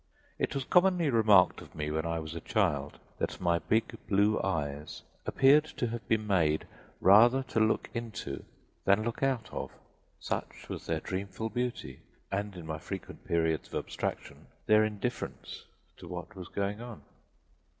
It was commonly remarked of me when I was a child that my big blue eyes appeared to have been made rather to look into than look out of such was their dreamful beauty, and in my frequent periods of abstraction, their indifference to what was going on.